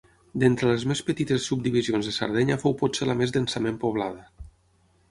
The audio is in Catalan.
D'entre les més petites subdivisions de Sardenya fou potser la més densament poblada.